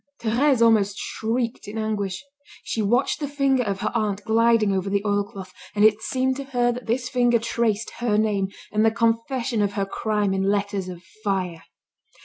Thérèse almost shrieked in anguish. She watched the finger of her aunt gliding over the oilcloth, and it seemed to her that this finger traced her name, and the confession of her crime in letters of fire.